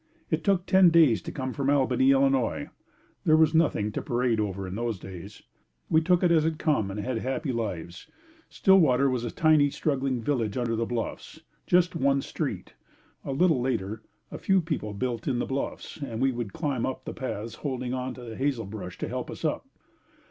It took ten days to come from Albany, Illinois. There was nothing to parade over in those days. We took it as it come and had happy lives. Stillwater was a tiny, struggling village under the bluffs just one street. A little later a few people built in the bluffs and we would climb up the paths holding onto the hazelbrush to help us up.